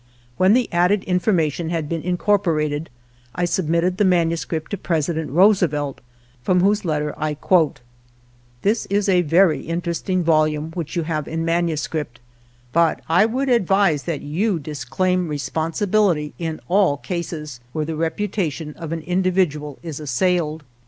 When the added information had been in corporated I submitted the manuscript to President Roosevelt, from whose letter I quote: " This is a very interesting volume which you have in manuscript, but I would advise that you disclaim responsibility in all cases where the reputation of an individual is assailed."